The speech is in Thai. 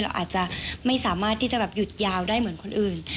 เราอาจจะไม่สามารถที่จะแบบหยุดยาวได้เหมือนคนอื่น